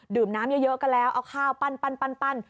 ดื่มน้ำเยอะก็แล้วเอาข้าวปั้น